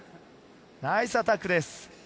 ナイスアタックです。